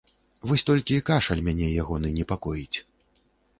Вось толькі кашаль мяне ягоны непакоіць.